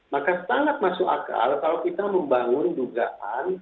maka sangat masuk akal kalau kita membangun dugaan